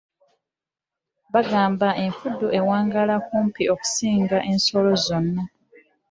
Bagamba enfudu ewangaala kumpi kusinga nsolo zonna.